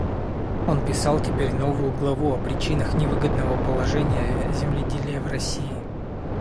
Он писал теперь новую главу о причинах невыгодного положения земледелия в России.